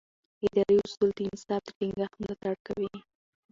اداري اصول د انصاف د ټینګښت ملاتړ کوي.